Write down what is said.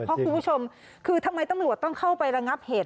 เพราะคุณผู้ชมคือทำไมตำรวจต้องเข้าไประงับเหตุ